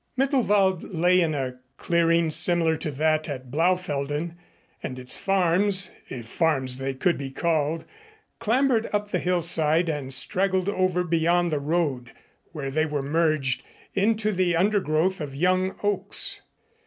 Mittelwald lay in a clearing similar to that at Blaufelden, and its farms, if farms they could be called, clambered up the hillside and straggled over beyond the road where they were merged into the undergrowth of young oaks.